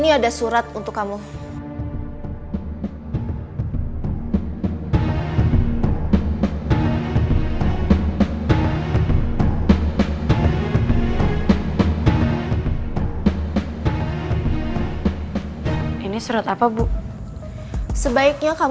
udah terima suratnya atau belum